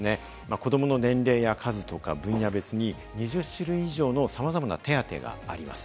子どもの年齢や数とか分野別に２０種類以上のさまざまな手当があります。